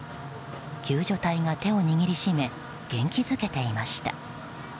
救助隊が手を握り締め元気づけていました。